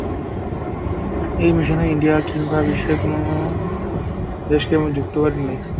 এই মিশনে ইন্ডিয়া কিংবা বিশ্বের আর কোনও দেশকে যুক্ত করেননি!